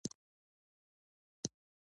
پيالې چايجوشه ته کيښودل شوې.